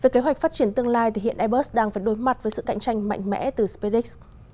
về kế hoạch phát triển tương lai hiện airbus đang phải đối mặt với sự cạnh tranh mạnh mẽ từ specex